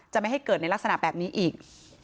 ไม่ให้เกิดในลักษณะแบบนี้อีก